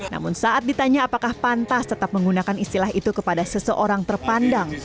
namun saat ditanya apakah pantas tetap menggunakan istilah itu kepada seseorang terpandang